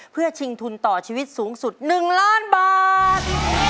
เพื่อชิงทุนต่อชีวิตสูงสุด๑ล้านบาท